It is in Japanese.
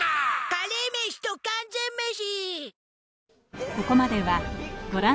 カレーメシと完全メシ